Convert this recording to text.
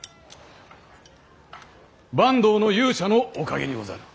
坂東の勇者のおかげにござる。